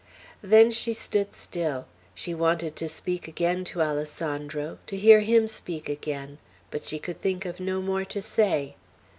Then she stood still; she wanted to speak again to Alessandro, to hear him speak again, but she could think of no more to say.